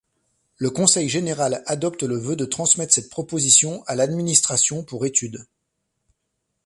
Le conseil général adopte le vœu de transmettre cette proposition à l'administration pour étude.